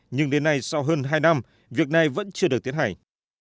nhưng đến nay sau hơn hai năm việc này vẫn chưa được tiến hành